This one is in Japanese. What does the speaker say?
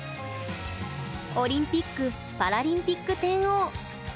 オリンピック・パラリンピック天王。